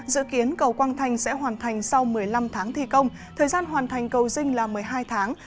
dự kiến cầu quang thanh sẽ hoàn thành sau một mươi năm tháng thi công thời gian hoàn thành cầu dinh là một mươi hai tháng